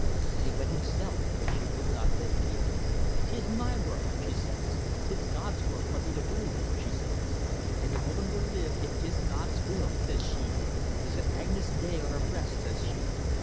An' he wint himself, but she would not let him in. ''Tis my work,' says she. ''Tis God's work for me to do,' says she. 'An' the woman will live if 'tis God's will,' says she. 'There's an agnus dei on her breast,' says she.